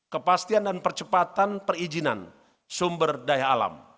kepastian dan percepatan perizinan sumber daya alam